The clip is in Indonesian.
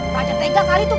raja tegak kali itu pak